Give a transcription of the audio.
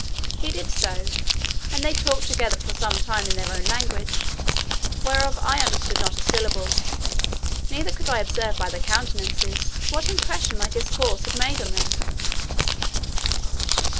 He did so, and they talked together for some time in their own language, whereof I understood not a syllable, neither could I observe by their countenances, what impression my discourse had made on them.